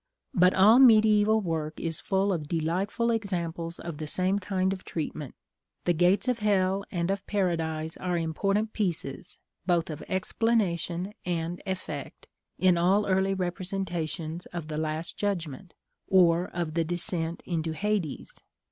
But all mediæval work is full of delightful examples of the same kind of treatment: the gates of hell and of paradise are important pieces, both of explanation and effect, in all early representations of the last judgment, or of the descent into Hades.